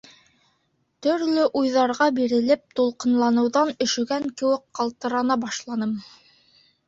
Төрлө уйҙарға бирелеп, тулҡынланыуҙан өшөгән кеүек ҡалтырана башланым.